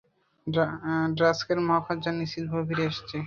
ড্রাস্কের মহাকাশযান নিশ্চিতভাবে ফিরে আসছে।